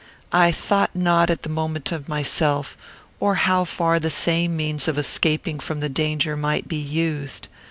I thought not at the moment of myself, or how far the same means of escaping from my danger might be used.